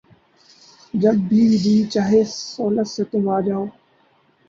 جب بھی جی چاہے سہولت سے تُم آؤ جاؤ